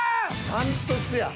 断トツや。